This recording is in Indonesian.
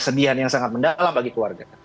kesedihan yang sangat mendalam bagi keluarga